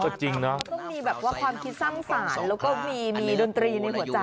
จริงนะต้องมีแบบว่าความคิดสร้างสรรค์แล้วก็มีดนตรีในหัวใจ